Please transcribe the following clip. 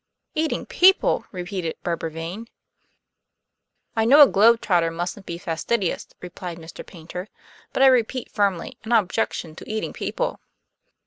"Eating people!" repeated Barbara Vane. "I know a globe trotter mustn't be fastidious," replied Mr. Paynter. "But I repeat firmly, an objection to eating people.